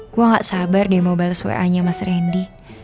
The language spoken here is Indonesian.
gue gak sabar deh mau bahas wa nya mas randy